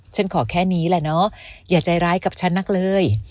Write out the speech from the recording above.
ฉันขอแค่นี้แหละเนาะอย่าใจร้ายกับฉันนักเลย